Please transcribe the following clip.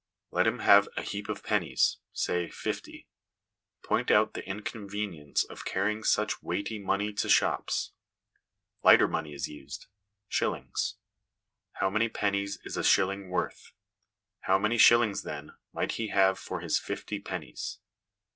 Let him have a heap of pennies, say fifty: point out the inconvenience of carrying such weighty money to shops. Lighter money is used shillings. How many pennies is a shilling worth ? How many shillings, then, might he have for his fifty pennies